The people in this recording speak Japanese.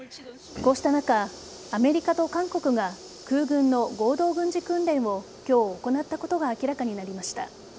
こうした中、アメリカと韓国が空軍の合同軍事訓練を今日行ったことが明らかになりました。